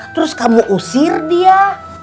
terus kamu usir dia